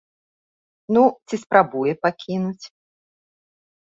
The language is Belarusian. Ну, ці спрабуе пакінуць.